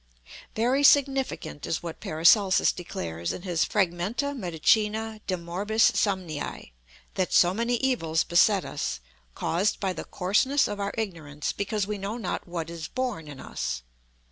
Very significant is what PARACELSUS declares in his Fragmenta Medicina de Morbis Somnii, that so many evils beset us, "caused by the coarseness of our ignorance, because we know not what is born in us."